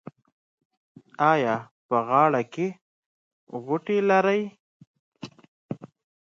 ایا په غاړه کې غوټې لرئ؟